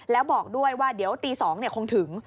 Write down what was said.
แล้วบอกด้วยว่าเดี๋ยวตี๒คงถึง